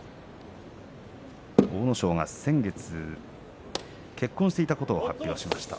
阿武咲は先月結婚していたことを発表しました。